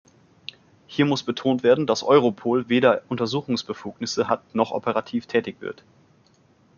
Hier muss betont werden, dass Europol weder Untersuchungsbefugnisse hat noch operativ tätig wird.